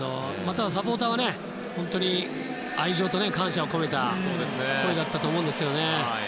ただ、サポーターは本当に愛情と感謝を込めた声だったと思いますね。